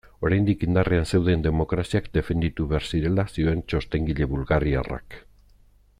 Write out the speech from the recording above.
Oraindik indarrean zeuden demokraziak defenditu behar zirela zioen txostengile bulgariarrak.